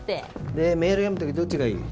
でメール読む時どっちがいい？